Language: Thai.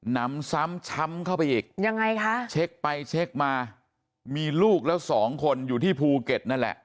นำซ้ำช้ำเข้าไปอีกยังไงคะเช็คไปเช็คมามีลูกแล้วสองคนอยู่ที่ภูเก็ตนั่นแหละ